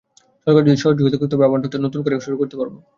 সরকার যদি সহযোগিতা করে, তবে আবার হয়তো নতুন করে শুরু করতে পারব।